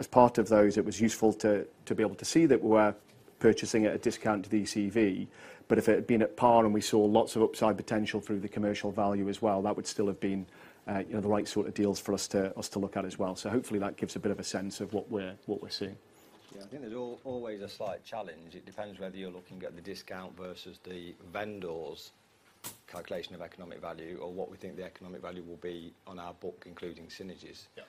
part of those, it was useful to be able to see that we're purchasing at a discount to the ECV. If it had been at par and we saw lots of upside potential through the commercial value as well, that would still have been, you know, the right sort of deals for us to look at as well. Hopefully that gives a bit of a sense of what we're seeing. Yeah, I think there's always a slight challenge. It depends whether you're looking at the discount versus the vendor's calculation of Economic Value or what we think the Economic Value will be on our book, including synergies. Yeah.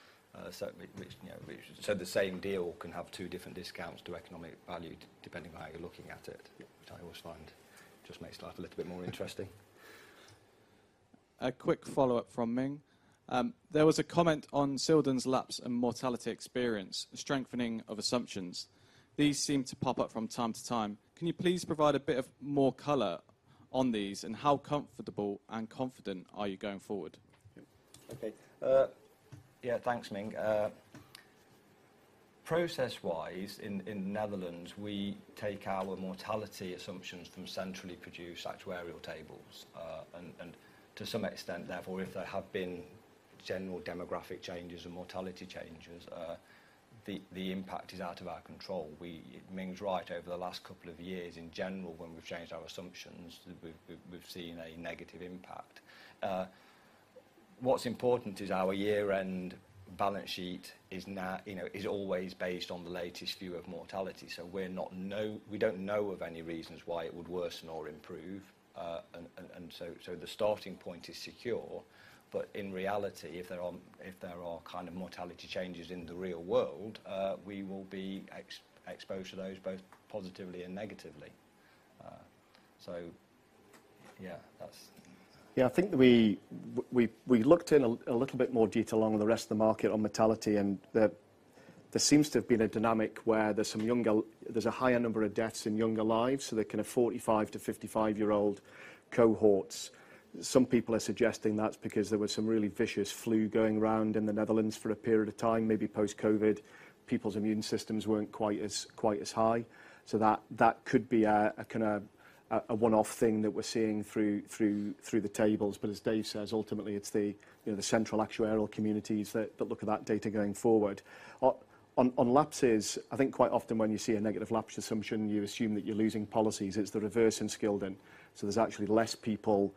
The same deal can have two different discounts to economic value depending on how you're looking at it. Yeah. Which I always find just makes life a little bit more interesting. A quick follow-up from Ming. There was a comment on Scildon's lapse in mortality experience, strengthening of assumptions. These seem to pop up from time to time. Can you please provide a bit of more color on these, and how comfortable and confident are you going forward? Okay. Yeah, thanks, Ming. Process-wise in Netherlands, we take our mortality assumptions from centrally produced actuarial tables. To some extent, therefore, if there have been general demographic changes or mortality changes, the impact is out of our control. Ming's right. Over the last couple of years, in general, when we've changed our assumptions, we've seen a negative impact. What's important is our year-end balance sheet, you know, is always based on the latest view of mortality, we don't know of any reasons why it would worsen or improve. The starting point is secure. In reality, if there are kind of mortality changes in the real world, we will be exposed to those both positively and negatively. Yeah, that's... I think we looked in a little bit more detail along with the rest of the market on mortality. There seems to have been a dynamic where there's some younger. There's a higher number of deaths in younger lives, so they're kind of 45-55-year-old cohorts. Some people are suggesting that's because there was some really vicious flu going around in the Netherlands for a period of time, maybe post-COVID. People's immune systems weren't quite as high. That could be a kinda one-off thing that we're seeing through the tables. As Dave says, ultimately, it's the, you know, central actuarial communities that look at that data going forward. On lapses, I think quite often when you see a negative lapse assumption, you assume that you're losing policies. It's the reverse in Scildon, there's actually less people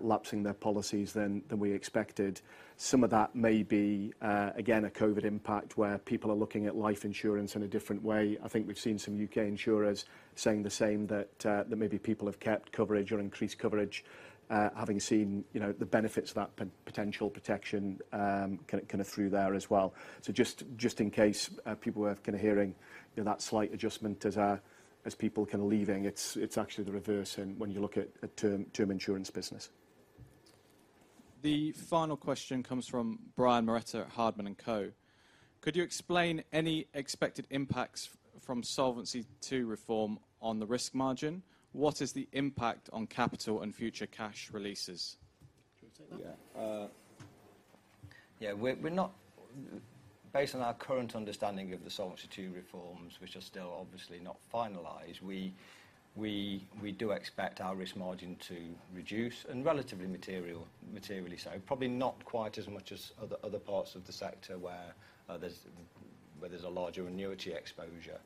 lapsing their policies than we expected. Some of that may be again, a COVID impact where people are looking at life insurance in a different way. I think we've seen some UK insurers saying the same that maybe people have kept coverage or increased coverage, having seen, you know, the benefits of that potential protection, kind of through there as well. Just in case people were kind of hearing, you know, that slight adjustment as people kind of leaving, it's actually the reverse in when you look at a term insurance business. The final question comes from Brian Moretta at Hardman & Co. Could you explain any expected impacts from Solvency II reform on the risk margin? What is the impact on capital and future cash releases? Do you wanna take that? Yeah. Yeah. We're not... Based on our current understanding of the Solvency II reforms, which are still obviously not finalized, we do expect our risk margin to reduce and relatively materially so. Probably not quite as much as other parts of the sector where there's a larger annuity exposure.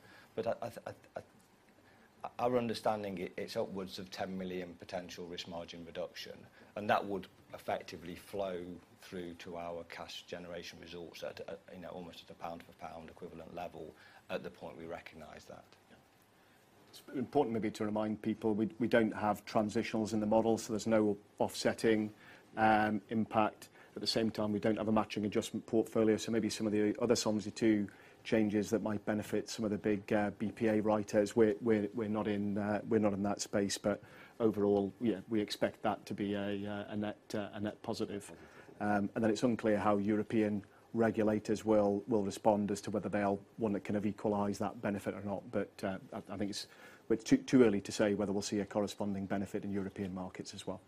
Our understanding it's upwards of 10 million potential risk margin reduction, and that would effectively flow through to our cash generation results at, you know, almost at a pound-for-pound equivalent level at the point we recognize that. Yeah. It's important maybe to remind people we don't have transitionals in the model, so there's no offsetting impact. At the same time, we don't have a matching adjustment portfolio, so maybe some of the other Solvency II changes that might benefit some of the big BPA writers, we're not in that space. Overall, yeah, we expect that to be a net positive. It's unclear how European regulators will respond as to whether they'll wanna kind of equalize that benefit or not. I think Well, it's too early to say whether we'll see a corresponding benefit in European markets as well.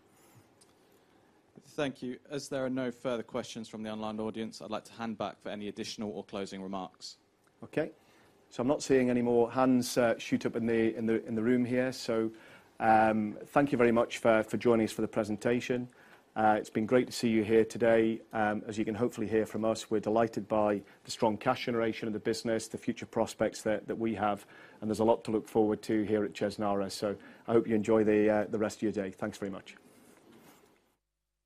Thank you. As there are no further questions from the online audience, I'd like to hand back for any additional or closing remarks. I'm not seeing any more hands shoot up in the room here. Thank you very much for joining us for the presentation. It's been great to see you here today. As you can hopefully hear from us, we're delighted by the strong cash generation of the business, the future prospects that we have, and there's a lot to look forward to here at Chesnara. I hope you enjoy the rest of your day. Thanks very much.